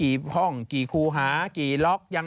เรามองมาเราก็เห็น